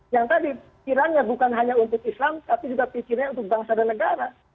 yang tadi kiranya bukan hanya untuk islam tapi juga pikirnya untuk bangsa dan negara